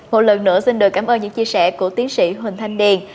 một lần nữa xin được cảm ơn những chia sẻ của tiến sĩ huỳnh thanh điền